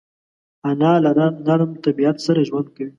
انا له نرم طبیعت سره ژوند کوي